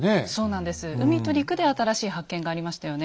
海と陸で新しい発見がありましたよね。